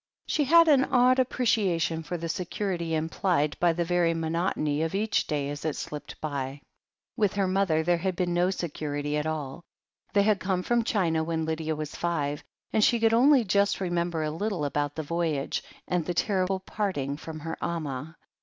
She had an odd appreciation for the security im plied by the very monotony of each day as it slipped by. With her mother there had been no security at all. They had come from China when Lydia was five, and she could only just remember a little about the voyage, and the terrible parting from her Amah.